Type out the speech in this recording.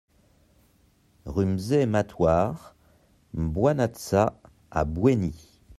RUE MZE MATTOIR MBOUANATSA à Bouéni